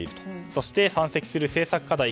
そして、山積する政策課題